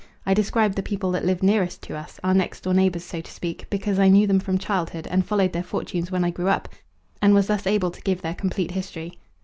I described the people that lived nearest to us, our next door neighbours so to speak, because I knew them from childhood and followed their fortunes when I grew up, and was thus able to give their complete history.